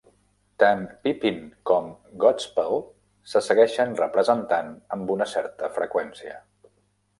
Tant "Pippin" com "Godspell" se segueixen representant amb una certa freqüència.